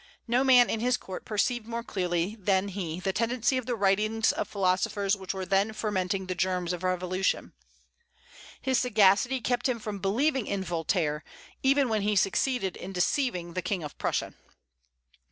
No man in his court perceived more clearly than he the tendency of the writings of philosophers which were then fermenting the germs of revolution. "His sagacity kept him from believing in Voltaire, even when he succeeded in deceiving the King of Prussia."